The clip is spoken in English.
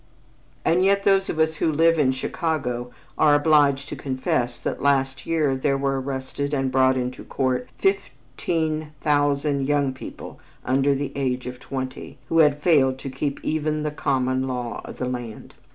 And yet those of us who live in Chicago are obliged to confess that last year there were arrested and brought into court fifteen thousand young people under the age of twenty, who had failed to keep even the common law of the land.